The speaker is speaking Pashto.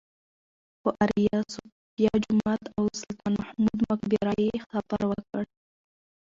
پر ایا صوفیه جومات او سلطان محمود مقبره یې سفر وکړ.